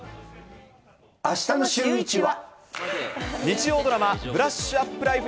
あしたのシューイチは。